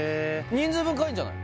人数分買えんじゃない？